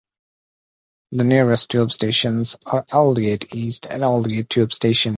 The nearest tube stations are Aldgate East and Aldgate tube station.